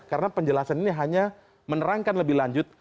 karena penjelasan ini hanya menerangkan lebih lanjut